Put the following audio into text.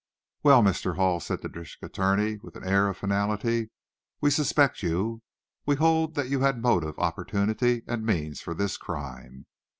"Well, Mr. Hall," said the district attorney, with an air of finality, "we suspect you. We hold that you had motive, opportunity, and means for this crime.